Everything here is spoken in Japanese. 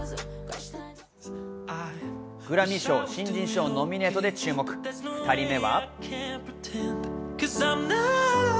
グラミー賞新人賞ノミネートで注目２人目は。